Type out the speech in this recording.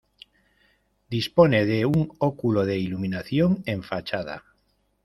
Dispone de un óculo de iluminación en fachada.